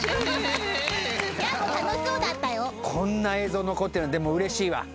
こんな映像残ってるのでもうれしいわ。